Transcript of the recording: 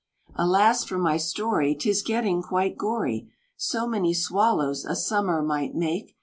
(Alas for my story, 'Tis getting quite gory! So many swallows a summer might make.)